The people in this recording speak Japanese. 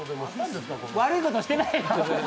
悪いことしてないですよ！